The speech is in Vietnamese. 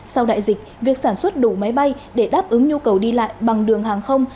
sau đại dịch việc sản xuất đủ máy bay để đáp ứng nhu cầu đi lại bằng đường hàng không